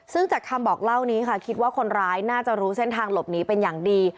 ซึ่งจากคำบอกเล่านี้ค่ะคิดว่าคนร้ายน่าจะรู้เส้นทางหลบหนีเป็นอย่างดี